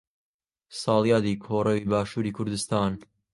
ساڵیادی کۆڕەوی باشووری کوردستان